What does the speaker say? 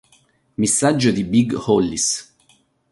Missaggio di Big Hollis.